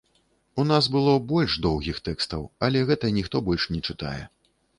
У нас было больш доўгіх тэкстаў, але гэта ніхто больш не чытае.